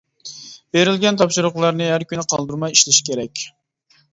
بېرىلگەن تاپشۇرۇقلارنى ھەر كۈنى قالدۇرماي ئىشلىشى كېرەك.